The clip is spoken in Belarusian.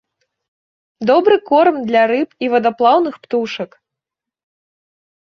Добры корм для рыб і вадаплаўных птушак.